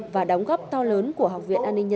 và đóng góp to lớn của học viện an ninh nhân dân